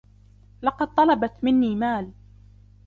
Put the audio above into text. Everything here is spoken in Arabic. لقد طَلَبَت مني مال.